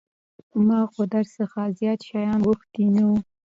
ما خو در څخه زيات شيان غوښتي نه وو.